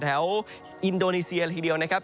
แถวโทนีเซียระที่เดียวนะครับ